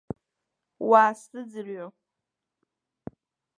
Уаасзыӡырҩы.